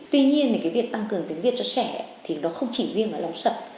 tuy nhiên thì cái việc tăng cường tiếng việt cho trẻ thì nó không chỉ riêng là bóng sập